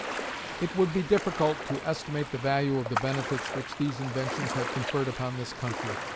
It would be difficult to estimate the value of the benefits which these inventions have conferred upon this country.